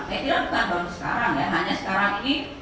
saya kira bukan baru sekarang ya hanya sekarang ini